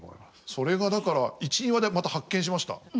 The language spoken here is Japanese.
それがだから１２話でまた発見しました。